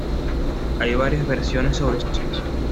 Hay varias versiones sobre su juicio.